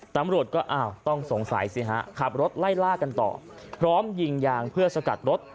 ตำรวจก็อ้าวต้องสงสัยสิฮะขับรถไล่ล่ากันต่อพร้อมยิงยางเพื่อสกัดรถ